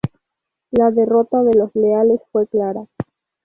La derrota de los leales fue clara.